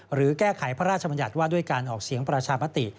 หรือแก้ไขพระราชบัญญัติว่าด้วยการออกเสียงประชามติ